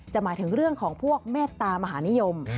จะหมายถึงเรื่องของแม่ตามหานิยม